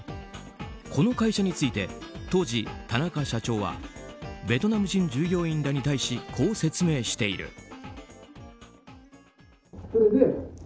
この会社について当時、田中社長はベトナム人従業員らに対しこう説明している。